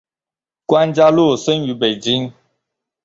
关嘉禄生于北京。